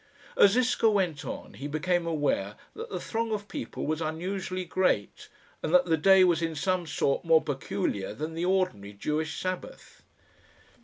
As Ziska went on, he became aware that the throng of people was unusually great, and that the day was in some sort more peculiar than the ordinary Jewish Sabbath.